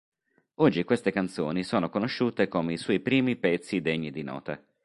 Oggi queste canzoni sono conosciute come i suoi primi pezzi degni di nota.